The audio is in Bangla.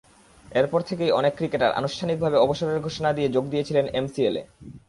এরপর থেকেই অনেক ক্রিকেটার আনুষ্ঠানিকভাবে অবসরের ঘোষণা দিয়ে যোগ দিয়েছেন এমসিএলে।